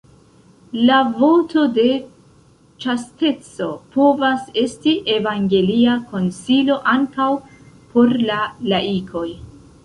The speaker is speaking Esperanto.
La voto de ĉasteco povas esti evangelia konsilo ankaŭ por la laikoj.